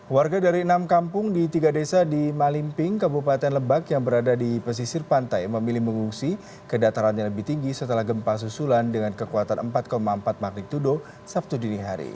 warga dari enam kampung di tiga desa di malimping kabupaten lebak yang berada di pesisir pantai memilih mengungsi kedatarannya lebih tinggi setelah gempa susulan dengan kekuatan empat empat magnitudo sabtu dini hari